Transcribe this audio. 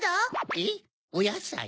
えっおやさい？